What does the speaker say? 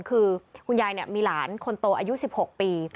คือคุณยายมีหลานคนโตอายุ๑๖ปี